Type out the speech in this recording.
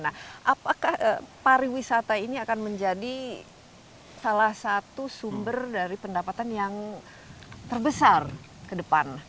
nah apakah pariwisata ini akan menjadi salah satu sumber dari pendapatan yang terbesar ke depan